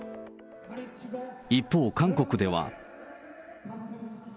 一方、韓国では。